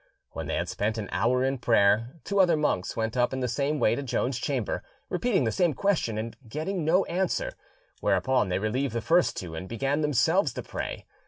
When they had spent an hour in prayer, two other monks went up in the same way to Joan's chamber, repeating the same question and getting no answer, whereupon they relieved the first two, and began themselves to pray.